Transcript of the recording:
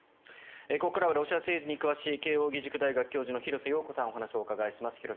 ここからはロシア政治に詳しい慶応義塾大学教授の廣瀬陽子さんにお話をお伺いします。